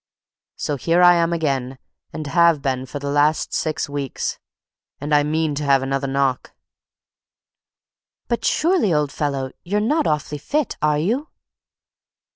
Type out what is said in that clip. So here I am again, and have been for the last six weeks. And I mean to have another knock." "But surely, old fellow, you're not awfully fit, are you?"